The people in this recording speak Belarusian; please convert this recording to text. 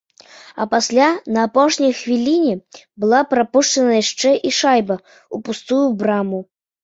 А пасля на апошняй хвіліне была прапушчана яшчэ і шайба ў пустую браму.